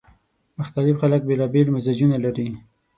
مختلف خلک بیلابېل مزاجونه لري